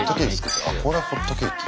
あこれはホットケーキ。